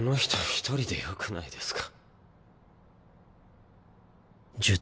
一人でよくないですか？